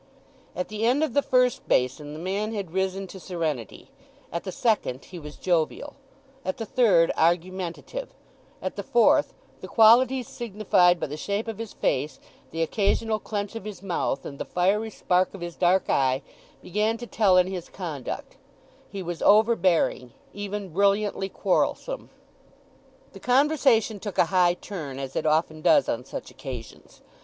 At the end of the first basin the man had risen to serenity; at the second he was jovial; at the third, argumentative, at the fourth, the qualities signified by the shape of his face, the occasional clench of his mouth, and the fiery spark of his dark eye, began to tell in his conduct; he was overbearing—even brilliantly quarrelsome. The conversation took a high turn, as it often does on such occasions.